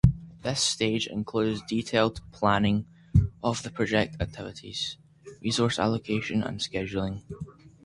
This stage includes detailed planning of the project activities, resource allocation, and scheduling.